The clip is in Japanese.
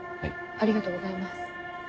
ありがとうございます。